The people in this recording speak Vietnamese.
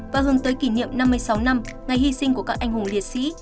và hướng tới kỷ niệm năm mươi sáu năm ngày hy sinh của các anh hùng liệt sĩ